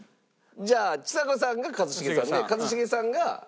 じゃあちさ子さんが一茂さんで一茂さんが。